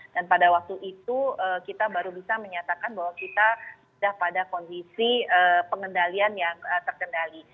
dan pada waktu itu kita baru bisa menyatakan bahwa kita sudah pada kondisi pengendalian yang terkendali